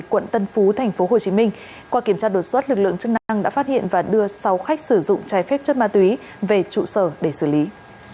quận tân phú tp hcm qua kiểm tra đột xuất lực lượng chức năng đã phát hiện và đưa sáu khách sử dụng trái phép chất ma túy về trụ sở để xử lý